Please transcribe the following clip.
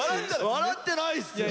笑ってないっすよ！